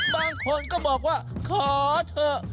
บางคนก็บอกว่าขอเถอะ